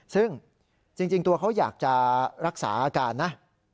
ซึ่งจริงตัวเขาอยากจะรักษาอาการนะ